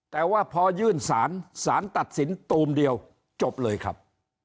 แต่ว่าพอยื่นสารสารตัดสินตูมเดียวจบเลยครับ